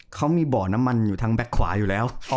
เขามีบ่อน้ำมันอยู่ทางแก๊กขวาอยู่แล้ว